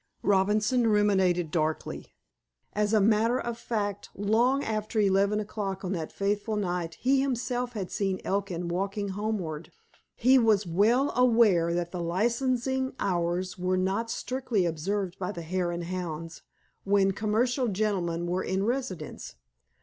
Robinson ruminated darkly. As a matter of fact, long after eleven o'clock on that fateful night, he himself had seen Elkin walking homeward. He was well aware that the licensing hours were not strictly observed by the Hare and Hounds when "commercial gentlemen" were in residence.